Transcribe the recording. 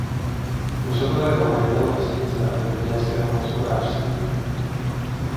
Působil jako majitel hostince a zemědělského hospodářství.